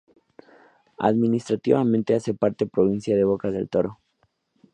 Administrativamente hace parte Provincia de Bocas del Toro.